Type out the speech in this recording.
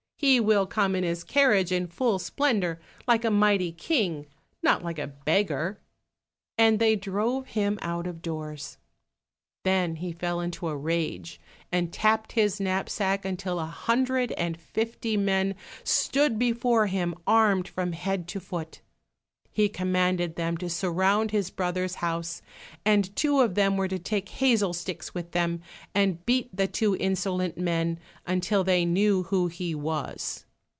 He will come in his carriage in full splendour like a mighty king, not like a beggar," and they drove him out of doors. Then he fell into a rage, and tapped his knapsack until a hundred and fifty men stood before him armed from head to foot. He commanded them to surround his brothers' house, and two of them were to take hazel sticks with them, and beat the two insolent men until they knew who he was.